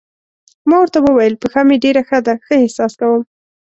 ما ورته وویل: پښه مې ډېره ښه ده، ښه احساس کوم.